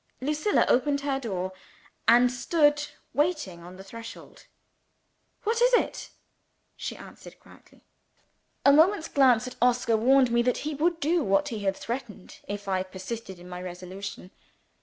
_" Lucilla opened her door, and stood waiting on the threshold. "What is it?" she asked quietly. A moment's glance at Oscar warned me that he would do what he had threatened, if I persisted in my resolution.